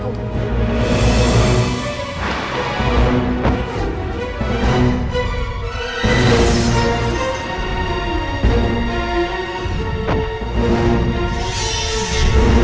kau akan membuatku berhasil